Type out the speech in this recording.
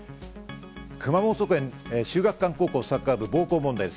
熊本県秀岳館高校サッカー部暴行問題。